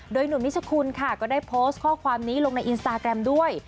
โดยหนุ่มนิชคุณค่ะก็ได้โพสต์ข้อความนี้ลงในอินสตาแกรมด้วย